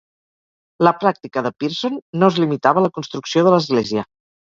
La pràctica de Pearson no es limitava a la construcció de l'església.